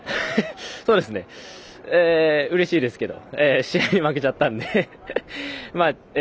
うれしいですけど試合に負けちゃったんで。